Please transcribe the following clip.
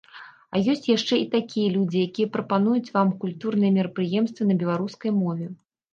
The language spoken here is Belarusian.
А ёсць яшчэ і такія людзі, якія прапануюць вам культурныя мерапрыемствы на беларускай мове.